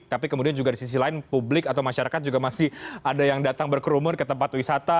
tapi kemudian juga di sisi lain publik atau masyarakat juga masih ada yang datang berkerumun ke tempat wisata